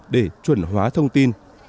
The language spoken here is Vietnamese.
để chuẩn hóa thông tin